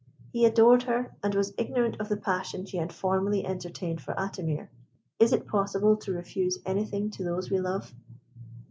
He adored her, and was ignorant of the passion she had formerly entertained for Atimir. Is it possible to refuse anything to those we love?